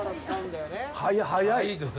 早い、早い！